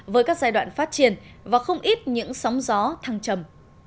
với các giai đoạn phát triển và không ít những sóng gió thăng trầm